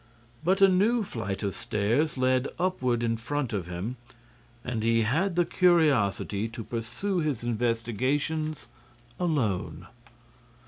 But a new flight of stairs led upward in front of him and he had the curiosity to pursue his investigations alone.